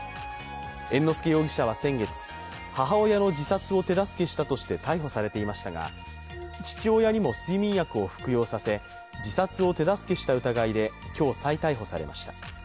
猿之助容疑者は先月、母親の自殺を手助けしたとして逮捕されていましたが、父親にも睡眠薬を服用させ自殺を手助けした疑いで今日、再逮捕されました。